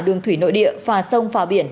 đường thủy nội địa phà sông phà biển